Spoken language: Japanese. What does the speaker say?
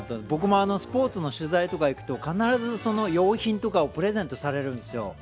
僕もスポーツの取材とか行くと必ず、その用品とかをプレゼントされるんです。